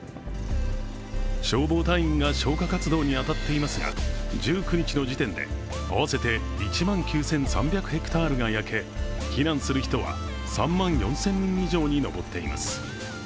消防隊員が消火活動に当たっていますが１９日の時点で合わせて１万９３００ｈａが焼け避難する人は３万４０００人以上に上っています。